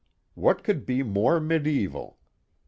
What could be more medieval?